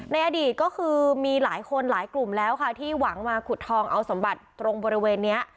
ในอดีตก็คือมีหลายคนหลายกลุ่มแล้วค่ะที่หวังมาขุดทองเอาสมบัติตรงบริเวณนี้